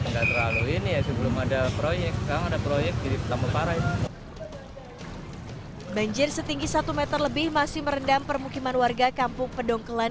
banjir setinggi satu m lebih masih merendam permukiman warga kampung pedong kelan